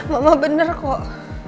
mama bener kok